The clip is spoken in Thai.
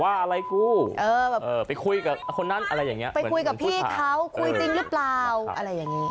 ว่าอะไรกูไปคุยกับพี่เขาคุยจริงหรือเปล่าอะไรอย่างนี้